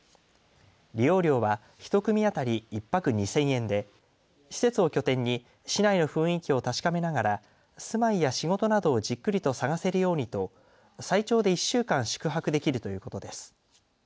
利用料は１組当たり１泊２０００円で施設を拠点に市内の雰囲気を確かめながら住まいや仕事などをじっくりと探せるようにと最長で１週間宿泊できるということです。